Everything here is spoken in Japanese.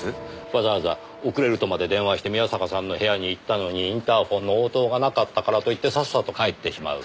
わざわざ遅れるとまで電話して宮坂さんの部屋に行ったのにインターホンの応答がなかったからといってさっさと帰ってしまう。